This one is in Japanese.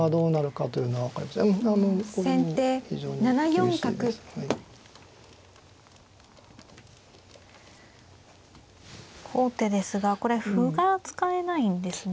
王手ですがこれ歩が使えないんですね。